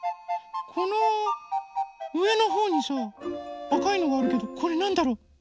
このうえのほうにさあかいのがあるけどこれなんだろ？